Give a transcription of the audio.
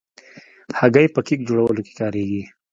هګۍ په کیک جوړولو کې کارېږي.